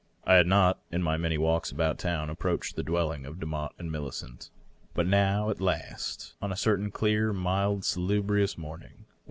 I had not, in my many walks about town, approached the dwelling of Demotte and Millicent. But now, at last, on a certain clear, mild, salubrious morning — one.